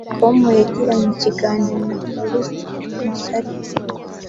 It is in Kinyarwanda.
com yagiranye ikiganiro na Faustin Musare